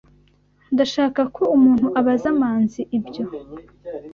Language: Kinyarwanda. Ndashaka ko umuntu abaza Manzi ibyo.